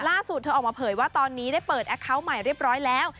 เธอออกมาเผยว่าตอนนี้ได้เปิดแอคเคาน์ใหม่เรียบร้อยแล้ว